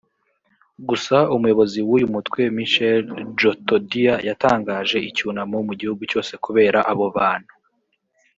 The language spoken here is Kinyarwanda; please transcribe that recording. gusa umuyobozi w’uyu mutwe Michel Djotodia yatangaje icyunamo mu gihugu cyose kubera abo bantu